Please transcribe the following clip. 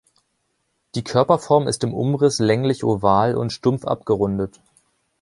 Die Körperform ist im Umriss länglich-oval und stumpf abgerundet.